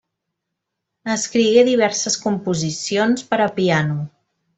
Escrigué diverses composicions per a piano.